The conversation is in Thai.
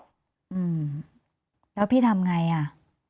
อืมแล้วพี่ทำไงอ่ะ